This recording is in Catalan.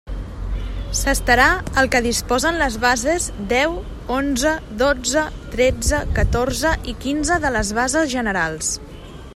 S'estarà al que disposen les bases deu, onze, dotze, tretze, catorze i quinze de les bases generals.